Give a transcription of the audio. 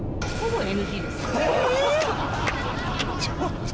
ちょっと！